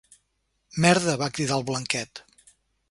Merda —va cridar el Blanquet—.